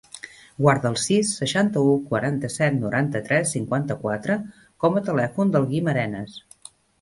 Guarda el sis, seixanta-u, quaranta-set, noranta-tres, cinquanta-quatre com a telèfon del Guim Arenas.